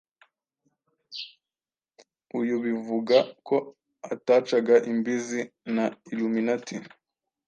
uyu bivuga ko atacaga imbizi na Illuminati